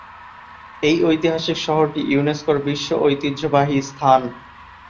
এই ঐতিহাসিক শহরটি ইউনেস্কোর বিশ্ব ঐতিহ্যবাহী স্থান।